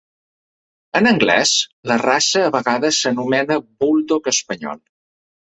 En anglès, la raça a vegades s'anomena buldog espanyol.